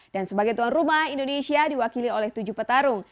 dan sebagai tuan rumah indonesia diwakili oleh tujuh petarung